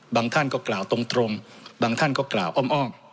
ท่านก็กล่าวตรงบางท่านก็กล่าวอ้อม